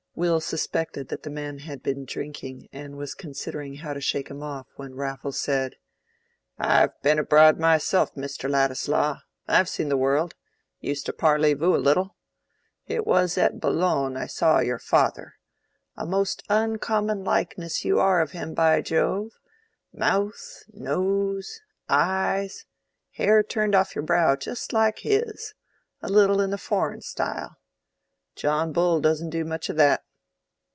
Will suspected that the man had been drinking and was considering how to shake him off when Raffles said— "I've been abroad myself, Mr. Ladislaw—I've seen the world—used to parley vous a little. It was at Boulogne I saw your father—a most uncommon likeness you are of him, by Jove! mouth—nose—eyes—hair turned off your brow just like his—a little in the foreign style. John Bull doesn't do much of that.